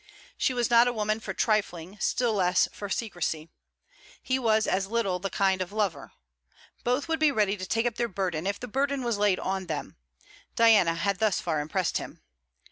She was not a woman for trifling, still less for secresy. He was as little the kind of lover. Both would be ready to take up their burden, if the burden was laid on them. Diana had thus far impressed him.